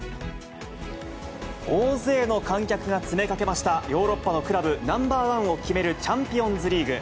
大勢の観客が詰めかけました、ヨーロッパのクラブナンバーワンを決めるチャンピオンズリーグ。